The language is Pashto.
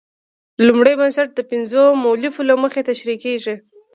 لومړی بنسټ د پنځو مولفو له مخې تشرېح کیږي.